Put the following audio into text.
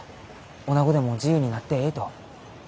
おなごでも自由になってえいと。